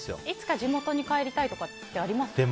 いつか地元に帰りたいとかってあります？